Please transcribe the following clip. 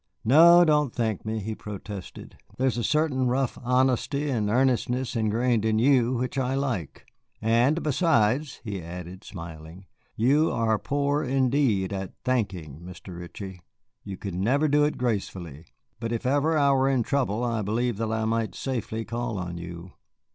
No, don't thank me," he protested; "there's a certain rough honesty and earnestness ingrained in you which I like. And besides," he added, smiling, "you are poor indeed at thanking, Mr. Ritchie. You could never do it gracefully. But if ever I were in trouble, I believe that I might safely call on you."